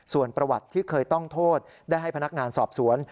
ส่วนประวัติที่เคยต้องโทษได้ให้พนักงานสอบสวน